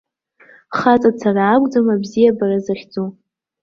Хаҵацара акәӡам абзиабара захьӡу.